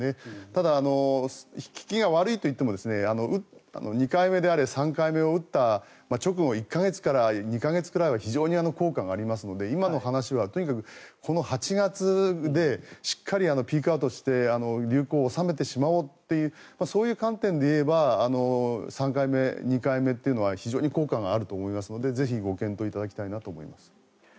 ただ、効きが悪いといっても２回であれ３回目を打った直後１か月から２か月ぐらいは非常に効果がありますので今の話はとにかくこの８月でしっかりピークアウトをして流行を収めてしまおうというそういう観点でいえば３回目、２回目というのは非常に効果があると思いますのでぜひご検討いただきたいなと思います。